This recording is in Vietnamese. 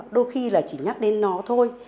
đôi khi là chỉ nhắc đến nó thôi